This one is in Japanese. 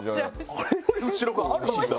あれより後ろがあるんだ。